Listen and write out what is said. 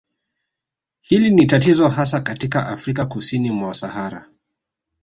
Hili ni tatizo hasa katika Afrika kusini mwa Sahara